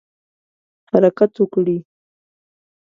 حرکت وکړي.